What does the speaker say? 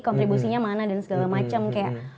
kontribusinya mana dan segala macam kayak